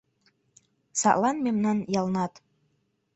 Садлан мемнан ялнат